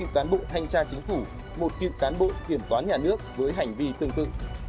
đề cố một mươi năm cựu cán bộ ngân hàng nhà nước ba cựu cán bộ thanh tra chính phủ một cựu cán bộ kiểm toán nhà nước với hành vi tương tự